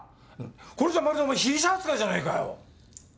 これじゃまるでお前被疑者扱いじゃねぇかよ。